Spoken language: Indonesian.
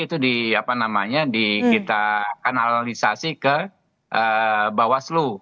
itu di apa namanya di kita akan analisasi ke bawah slu